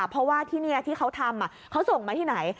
เพราะว่าที่นี่ที่เขาทำเขาส่งมาที่ไหน